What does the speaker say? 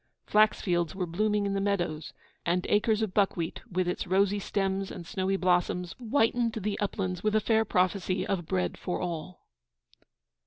Flax fields were blooming in the meadows, and acres of buckwheat, with its rosy stems and snowy blossoms, whitened the uplands with a fair prophecy of bread for all.